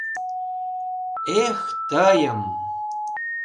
Эх, тыйым!..